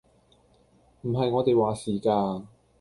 唔係我哋話事㗎